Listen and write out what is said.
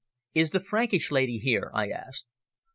"Is the Frankish lady here?" I asked.